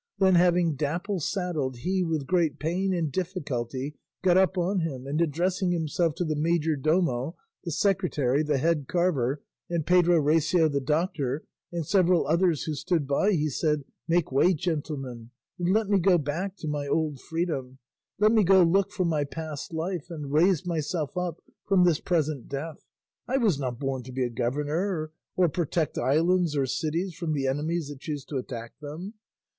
Then having Dapple saddled, he, with great pain and difficulty, got up on him, and addressing himself to the majordomo, the secretary, the head carver, and Pedro Recio the doctor and several others who stood by, he said, "Make way, gentlemen, and let me go back to my old freedom; let me go look for my past life, and raise myself up from this present death. I was not born to be a governor or protect islands or cities from the enemies that choose to attack them.